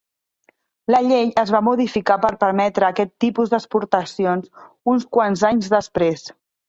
La llei es va modificar per permetre aquest tipus d'exportacions uns quants anys després.